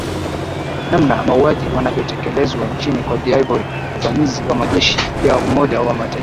namna mauaji wanavyotekelezwa nchini cote de voire uvamizi wa majeshi ya umoja wa mataifa